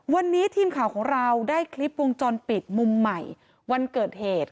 วันนี้ทีมข่าวของเราได้คลิปวงจรปิดมุมใหม่วันเกิดเหตุ